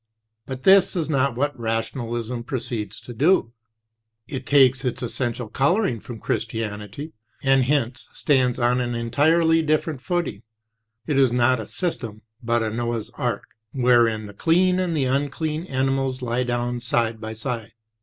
But this is not what Rationalism proceeds to do. It takes 8 its essential coloring from Christianity, and hence stands on an entirely different footing; it is not a system, but a Noah's ark, wherein the clean and the unclean animals lie down side by side.